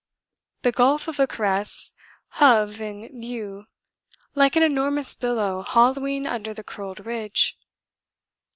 The gulf of a caress hove in view like an enormous billow hollowing under the curled ridge.